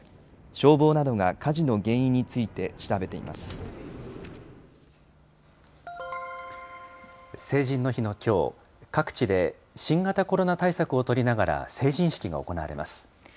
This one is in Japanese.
消防などが火事の原因について調成人の日のきょう、各地で新型コロナ対策を取りながら成人式が行われます。